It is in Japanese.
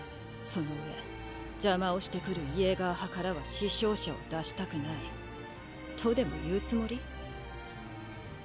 その上邪魔をしてくるイェーガー派からは死傷者を出したくないとでも言うつもり？